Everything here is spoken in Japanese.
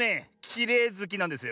きれいずきなんですよ。